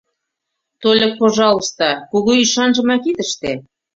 Тольык, пожалуйста, кугу ӱшанжымак ит ыште...